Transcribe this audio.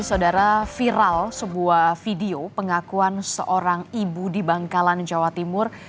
saudara viral sebuah video pengakuan seorang ibu di bangkalan jawa timur